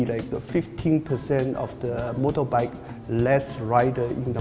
dapat mengurangi peluasannya